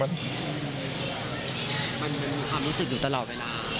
มันมีความรู้สึกอยู่ตลอดเวลา